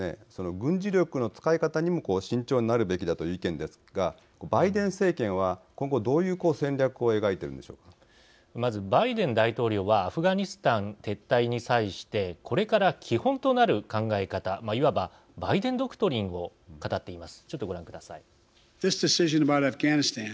軍事力の使い方にも慎重にすべきだという意見でしたがバイデン政権は今後どういう戦略をバイデン大統領はアフガニスタンからの撤退に際してこれから基本となる考え方いわばバイデン・ドクトリンを語っています。